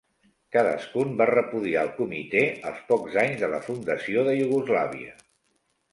Cadascun va repudiar al Comitè als pocs anys de la fundació de Iugoslàvia.